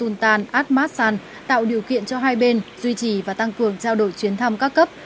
sultan ahmad san tạo điều kiện cho hai bên duy trì và tăng cường trao đổi chuyến thăm các cấp